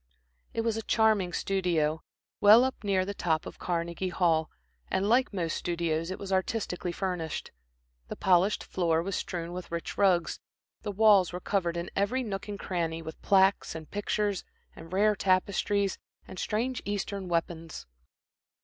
It was a charming studio, well up near the top of Carnegie Hall, and like most studios, it was artistically furnished. The polished floor was strewn with rich rugs, the walls were covered in every nook and cranny, with plaques, and pictures, and rare tapestries, and strange Eastern weapons.